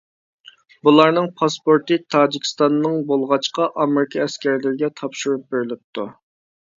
بۇلارنىڭ پاسپورتى تاجىكىستاننىڭ بولغاچقا ئامېرىكا ئەسكەرلىرىگە تاپشۇرۇپ بېرىلىپتۇ.